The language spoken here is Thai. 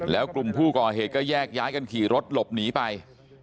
แล้วกลุ่มผู้ก่อเหตุก็แยกย้ายกันขี่รถหลบหนีไป